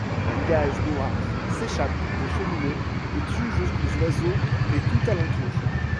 Un gaz noir s'échappe des cheminées et tue jusqu'aux oiseaux et tout alentour.